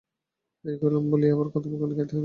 দেরি করিলাম বলিয়া আবার কত বকনি খাইতে হইবে।